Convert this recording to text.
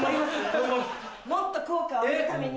もっと効果を上げるために。